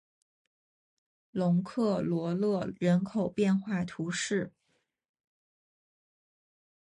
龙克罗勒人口变化图示